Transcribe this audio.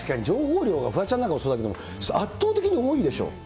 情報量が、フワちゃんなんかもそうだけども、圧倒的に多いでしょ。